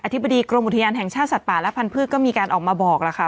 ธิบดีกรมอุทยานแห่งชาติสัตว์ป่าและพันธุ์ก็มีการออกมาบอกแล้วค่ะ